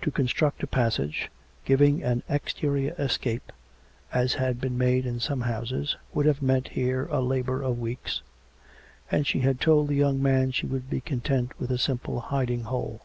To con struct a passage, giving an exterior escape, as had been made in some houses, would have meant here a labour of weeks, and she had told the young man she would be eon tent with a simple hiding hole.